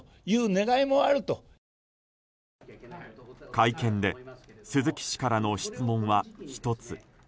会見で鈴木氏からの質問は１つ。